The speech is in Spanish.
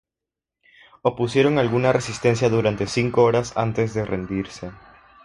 Opusieron alguna resistencia durante cinco horas antes de rendirse.